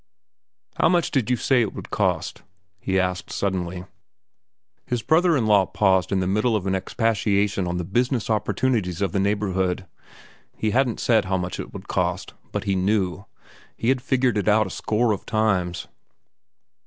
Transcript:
"How much did you say it would cost?" he asked suddenly. His brother in law paused in the middle of an expatiation on the business opportunities of the neighborhood. He hadn't said how much it would cost. But he knew. He had figured it out a score of times.